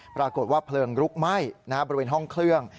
ปรากฏว่าเพลิงลุกไหม้บริเวณห้องเครื่อง